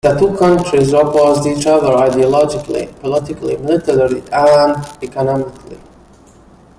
The two countries opposed each other ideologically, politically, militarily, and economically.